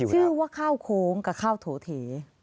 ชื่อว่าข้าวโค้งกับข้าวโถเถ